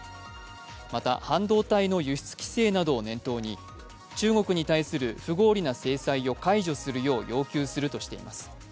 また、半導体の輸出規制などを念頭に中国に対する不合理な制裁を解除するよう要求するとしています。